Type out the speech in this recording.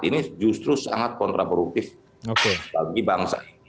ini justru sangat kontraproduktif bagi bangsa ini